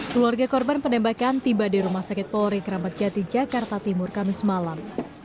keluarga korban penembakan tiba di rumah sakit polri kramat jati jakarta timur kamis malam